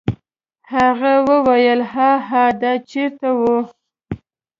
هغه وویل: هاها دا چیرته و؟